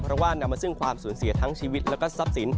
เพราะว่านำมาซึ่งความสูญเสียทั้งชีวิตแล้วก็ทรัพย์สิน